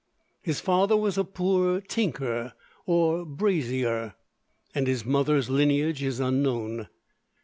His father was a poor tinker or "braseyer," and his mother's lineage is unknown.